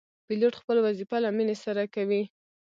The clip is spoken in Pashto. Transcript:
پیلوټ خپل وظیفه له مینې سره کوي.